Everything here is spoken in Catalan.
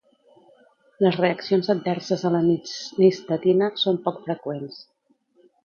Les reaccions adverses a la nistatina són poc freqüents.